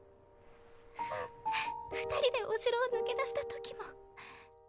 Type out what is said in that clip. うん二人でお城を抜け出したときも。